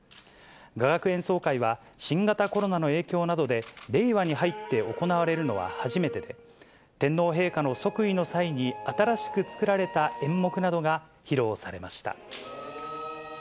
雅楽演奏会は新型コロナの影響などで、令和に入って行われるのは初めてで、天皇陛下の即位の際に新しく作られた演目などが披露されました。